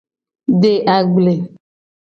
De agble.